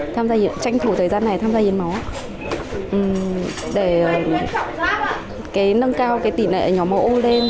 tham gia hiến tranh thủ thời gian này tham gia hiến máu để cái nâng cao cái tỉ lệ nhóm máu o lên